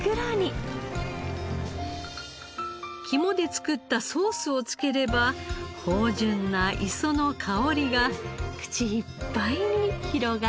肝で作ったソースを付ければ芳醇な磯の香りが口いっぱいに広がります。